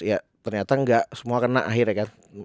ya ternyata enggak semua kena akhirnya kan